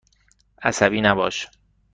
عصبی نباش.